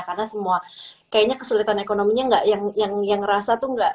karena semua kayaknya kesulitan ekonominya yang ngerasa tuh nggak